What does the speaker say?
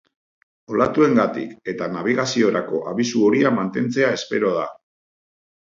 Olatuengatik eta nabigaziorako abisu horia mantentzea espero da.